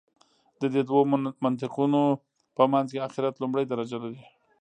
د دې دوو منطقونو په منځ کې آخرت لومړۍ درجه لري.